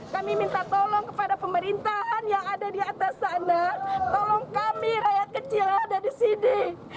kami minta tolong kepada pemerintahan yang ada di atas sana tolong kami rakyat kecil ada di sini